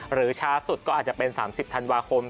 หรือช้าสุดก็อาจจะเป็น๓๐ธันวาคม